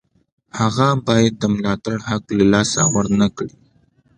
هغه باید د ملاتړ حق له لاسه ورنکړي.